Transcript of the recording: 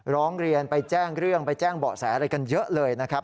ร้องเรียนไปแจ้งเรื่องไปแจ้งเบาะแสอะไรกันเยอะเลยนะครับ